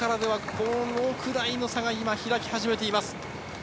差が開き始めています。